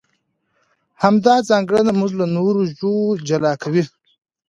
همدا ځانګړنه موږ له نورو ژوو جلا کوي.